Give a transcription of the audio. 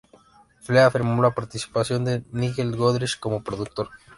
Flea afirmó la participación de Nigel Godrich como productor.